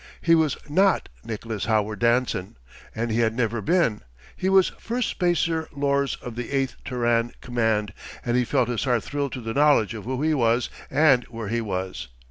He was not Nicholas Howard Danson, and he had never been! He was Firstspacer Lors of the 8th. Terran Command, and he felt his heart thrill to the knowledge of who he was and where he was.